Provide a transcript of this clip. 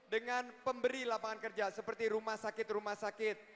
dengan pemberi lapangan kerja seperti rumah sakit rumah sakit